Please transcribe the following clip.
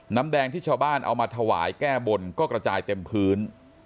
น้ำแดงที่ชาวบ้านเอามาถวายแก้บนก็กระจายเต็มพื้น